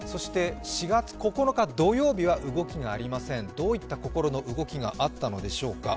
４月９日土曜日は動きがありません、どういった心の動きがあったのでしょうか。